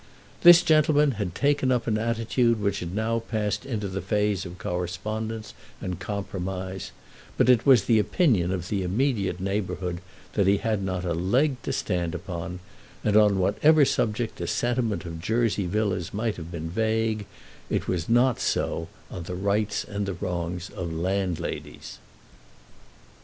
This gentleman had taken up an attitude which had now passed into the phase of correspondence and compromise; but it was the opinion of the immediate neighbourhood that he had not a leg to stand upon, and on whatever subject the sentiment of Jersey Villas might have been vague, it was not so on the rights and the wrongs of landladies.